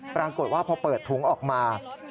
ปรากฏว่าพอเปิดถุงออกมา